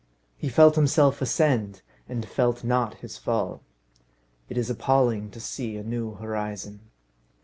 He felt himself ascend, and felt not his fall. It is appalling to see a new horizon.